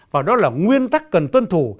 và đó là nguyên tắc cần tuân thủ